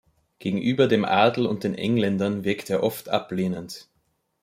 Gegenüber dem Adel und den Engländern wirkt er oft ablehnend.